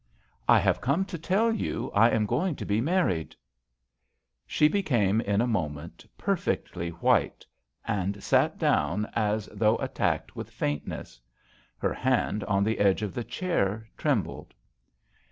" I have come to tell you I am going to be married/' She became in a moment perfectly white, and sat down as though attacked with faintness. Her hand on the edge of the chair trembled.